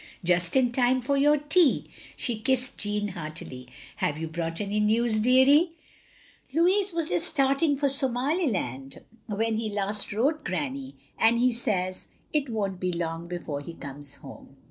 Just in time for your tea —" she kissed Jeanne heartily. " Have you brought any news, deary? " "Louis was just starting for Somaliland when I40 THE LONELY LADY he last wrote, Granny, and he says it won't be long before he comes home.